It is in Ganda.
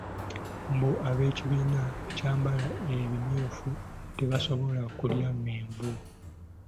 Mbu ab'ekibiina ekyambala ebimyufu tebasobola kulya menvu.